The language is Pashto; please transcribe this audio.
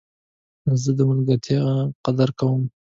زه د ملګرتیا قدر کوم.